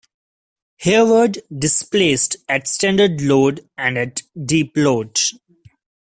"Hereward" displaced at standard load and at deep load.